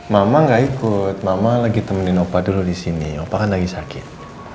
mama enggak ikut mama lagi temenin opa dulu di sini opa kan lagi sakit